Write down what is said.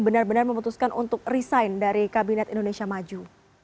benar benar memutuskan untuk resign dari kabinet indonesia maju